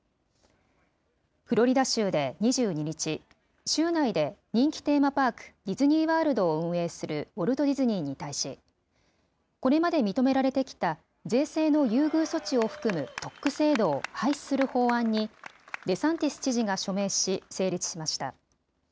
フロリダ州で２２日、州内で人気テーマパーク、ディズニーワールドを運営するウォルト・ディズニーに対し、これまで認められてきた税制の優遇措置を含む特区制度を廃止する法案に、デサンティス知事が署名し、成立しました。